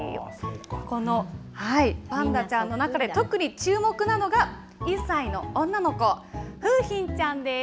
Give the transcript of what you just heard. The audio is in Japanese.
このパンダちゃんの中で特にチューモクなのが、１歳の女の子、楓浜ちゃんです。